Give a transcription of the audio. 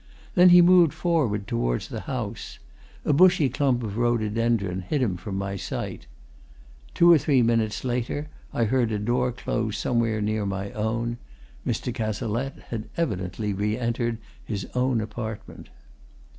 Then he moved forward towards the house; a bushy clump of rhododendron hid him from my sight. Two or three minutes later I heard a door close somewhere near my own; Mr. Cazalette had evidently re entered his own apartment.